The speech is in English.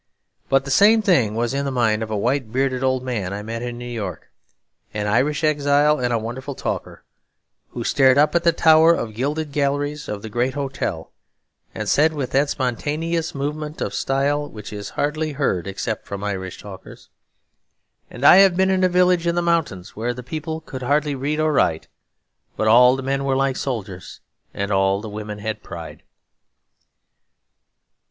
But the same thing was in the mind of a white bearded old man I met in New York, an Irish exile and a wonderful talker, who stared up at the tower of gilded galleries of the great hotel, and said with that spontaneous movement of style which is hardly heard except from Irish talkers: 'And I have been in a village in the mountains where the people could hardly read or write; but all the men were like soldiers, and all the women had pride.'